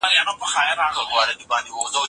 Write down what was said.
ـ لکه په خوب کې وېرېدلی ماشوم ـ